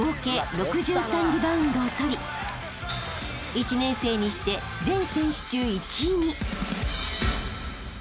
［１年生にして全選手中１位に］